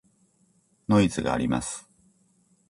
ノイズがあります。